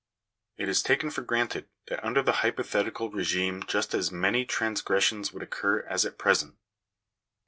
It is taken for granted that under the hypothetical regime just as many transgressions would occur as at present.